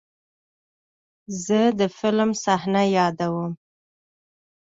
زه د فلم صحنه یادوم.